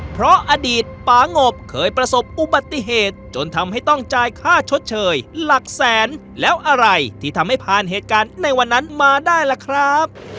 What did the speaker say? เพราะอดีตปางบเคยประสบอุบัติเหตุจนทำให้ต้องจ่ายค่าชดเชยหลักแสนแล้วอะไรที่ทำให้ผ่านเหตุการณ์ในวันนั้นมาได้ล่ะครับ